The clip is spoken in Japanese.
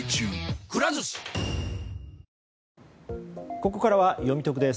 ここからはよみトクです。